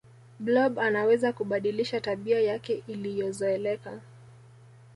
blob anaweza kubadilisha tabia yake iliyozoeleka